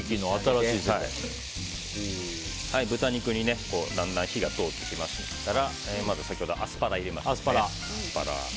豚肉にだんだん火が通ってきましたらアスパラを入れます。